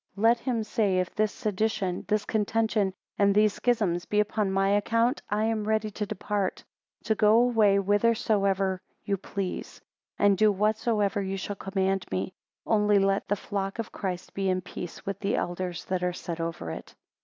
Let him say, if this sedition, this contention, and these schisms, be upon my account, I am ready to depart; to go away whithersoever you please; and do whatsoever ye shall command me: Only let the flock of Christ be in peace, with the elders that are set over it.